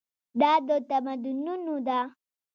دا د تمدنونو ده.